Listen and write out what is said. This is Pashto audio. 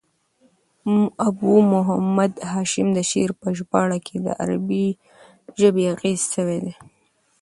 ابو محمد هاشم د شعر په ژباړه کښي د عربي ژبي اغېزې سوي دي.